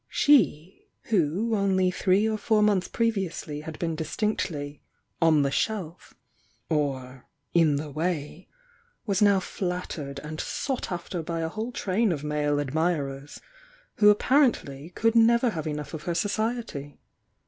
She, who only three or four months previously had been dis tinctly "on the shelf" or "in the way," was now flat tered and sought after by a whole train of male admirers, who apparently could never have enou^ of her society.